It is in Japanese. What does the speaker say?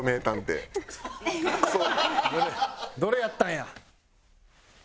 どれやったんや？